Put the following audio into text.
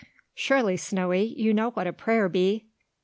"Surely, Snowy, you know what a prayer be?"